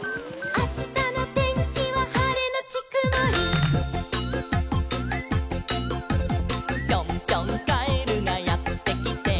「あしたのてんきははれのちくもり」「ぴょんぴょんカエルがやってきて」